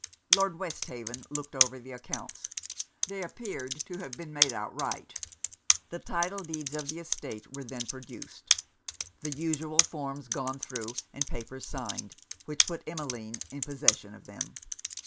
Lord Westhaven looked over the accounts: they appeared to have been made out right. The title deeds of the estate were then produced; the usual forms gone thro'; and papers signed, which put Emmeline in possession of them.